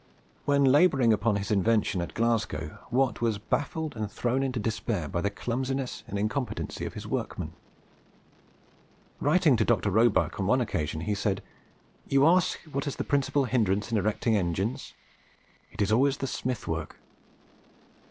When labouring upon his invention at Glasgow, Watt was baffled and thrown into despair by the clumsiness and incompetency of his workmen. Writing to Dr. Roebuck on one occasion, he said, "You ask what is the principal hindrance in erecting engines? It is always the smith work."